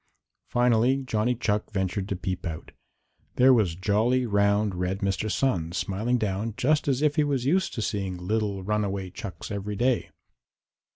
Finally Johnny Chuck ventured to peep out. There was jolly, round, red Mr. Sun smiling down just as if he was used to seeing little runaway chucks every day.